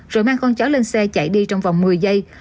rồi mang con chó lên xe chạy đi trong vòng một mươi giây